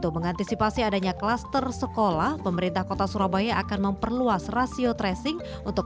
mengantisipasi adanya klaster sekolah pemerintah kota surabaya akan memperluas rasio tracing untuk